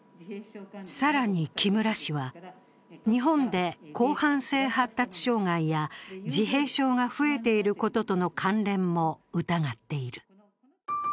更に木村氏は、日本で広汎性発達障害や自閉症が増えていることとの関連も疑っている。